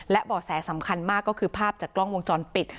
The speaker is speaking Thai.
และเบาะแสสำคัญมากก็คือภาพจากกล้องวงจรปิด